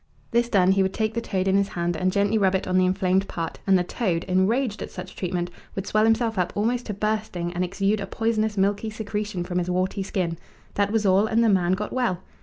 This done, he would take the toad in his hand and gently rub it on the inflamed part, and the toad, enraged at such treatment, would swell himself up almost to bursting and exude a poisonous milky secretion from his warty skin. That was all, and the man got well!